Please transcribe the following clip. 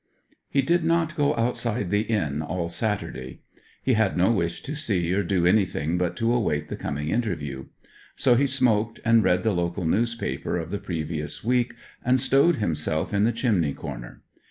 He did not go outside the inn all Saturday. He had no wish to see or do anything but to await the coming interview. So he smoked, and read the local newspaper of the previous week, and stowed himself in the chimney corner.